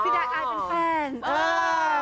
สีใดอายเป็นแฟน